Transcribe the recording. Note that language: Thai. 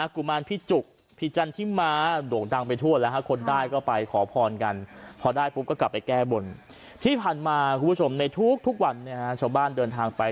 ขอพรโชคลาภเล่นเด็กกันอย่าไม่ขาดสาย